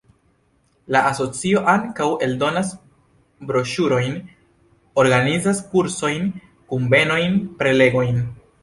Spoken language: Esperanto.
La asocio ankaŭ eldonas broŝurojn, organizas kursojn, kunvenojn, prelegojn.